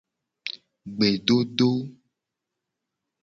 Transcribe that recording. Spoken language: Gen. Gbedodo.